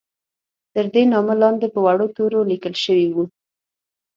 تر دې نامه لاندې په وړو تورو لیکل شوي وو.